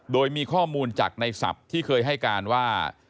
โดยมีข้อมูลจากในศัพท์ที่เคยให้การว่า